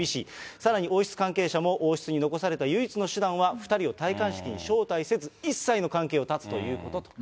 さらに王室関係者も王室に残された唯一の手段は、２人を戴冠式に招待せず、一切の関係を断つということと。